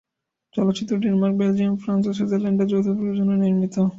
চলচ্চিত্রটি Denmark, Belgium, France ও সুইজারল্যান্ডের যৌথ প্রযোজনায় নির্মিত।